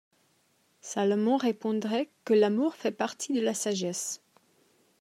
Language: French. Salomon répondrait que l’amour fait partie de la sagesse.